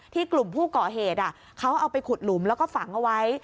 กลุ่มผู้ก่อเหตุเขาเอาไปขุดหลุมแล้วก็ฝังเอาไว้